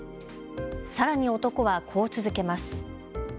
さらに男はこう続けます。